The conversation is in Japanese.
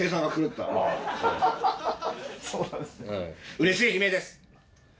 うれしい悲鳴です。